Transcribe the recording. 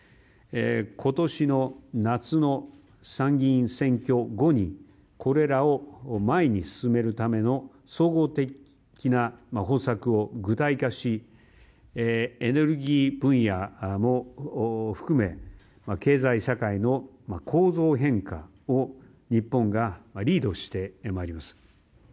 今年の夏の参議院選挙後にこれらを前に進めるための総合的な方策を具体化しエネルギー分野も含め経済、社会の構造変化を日本がリードしてまいります。